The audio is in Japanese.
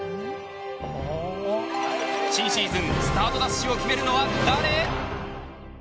新シーズン、スタートダッシュを決めるのは誰？